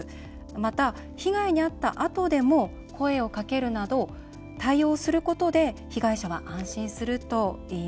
また、被害にあったあとでも声をかけるなど対応することで被害者は安心するといいます。